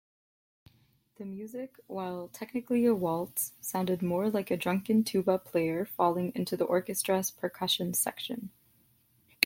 The music, while technically a waltz, sounded more like a drunken tuba player falling into the orchestra's percussion section.